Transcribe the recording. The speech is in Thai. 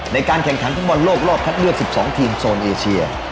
ในการแข่งขันฟุตบอลโลกรอบคัดเลือก๑๒ทีมโซนเอเชีย